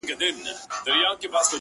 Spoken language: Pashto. • جادوګر دانې را وایستې دباندي,